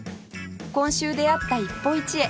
今週出会った一歩一会